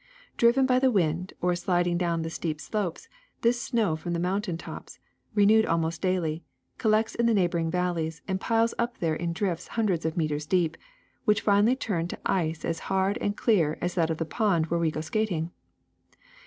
^'Driven by the wind or sliding down the steep slopes, this snow from the mountain tops, renewed almost daily, collects in the neighboring valleys and piles up there in drifts hundreds of meters deep, which finally turn to ice as hard and clear as that of the pond where we go skating.